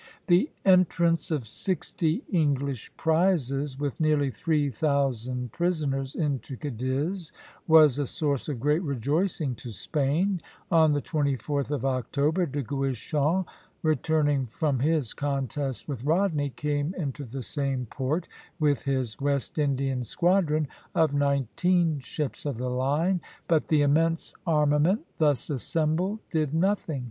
The entrance of sixty English prizes, with nearly three thousand prisoners, into Cadiz, was a source of great rejoicing to Spain. On the 24th of October, De Guichen, returning from his contest with Rodney, came into the same port with his West Indian squadron, of nineteen ships of the line; but the immense armament thus assembled did nothing.